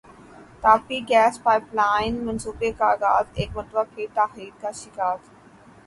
Tapi gas pipeline منصوبے کا اغاز ایک مرتبہ پھر تاخیر کا شکار